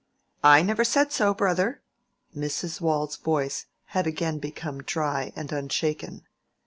"I never said so, brother" (Mrs. Waule's voice had again become dry and unshaken).